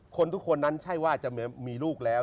ทุกคนนั้นใช่ว่าจะมีลูกแล้ว